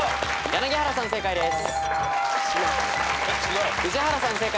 柳原さん